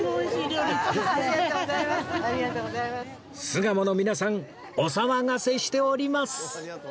巣鴨の皆さんお騒がせしております